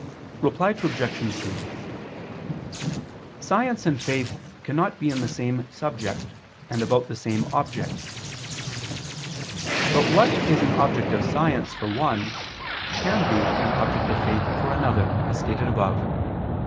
Reply Obj. 2: Science and faith cannot be in the same subject and about the same object: but what is an object of science for one, can be an object of faith for another, as stated above (Q.